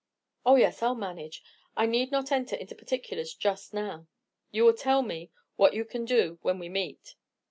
Oh, yes, I'll manage; I need not enter into particulars just now. You will tell me what you can do when we meet.